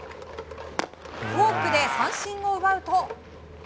フォークで三振を奪うと。